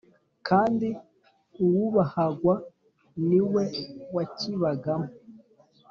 kandi uwubahwaga ni we wakibagamo